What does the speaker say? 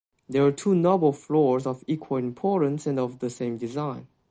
There are two noble floors of equal importance and of the same design.